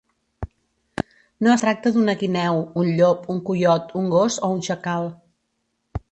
No es tracta d'una guineu, un llop, un coiot, un gos, o un xacal.